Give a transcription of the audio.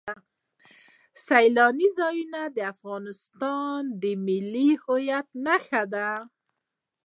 سیلاني ځایونه د افغانستان د ملي هویت نښه ده.